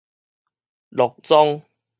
落莊